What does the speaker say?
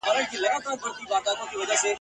د لومو څخه وکېښ